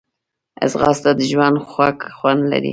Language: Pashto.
ځغاسته د ژوند خوږ خوند لري